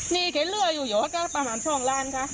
นี่เคเหลืออยู่ก็ประมาณโชคล้านค่ะ